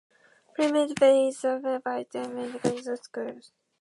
Palmetto Bay is served by the Miami-Dade County Public Schools.